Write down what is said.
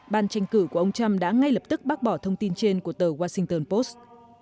ban tranh cử của ông trump đã ngay lập tức bác bỏ thông tin trên của tờ washington post